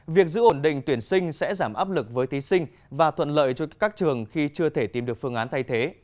việc giữ ổn định tuyển sinh sẽ giảm áp lực với thí sinh và thuận lợi cho các trường khi chưa thể tìm được phương án thay thế